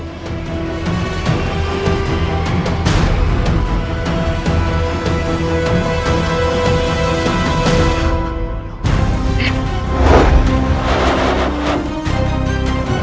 kami akan membuatmu menjadi saudara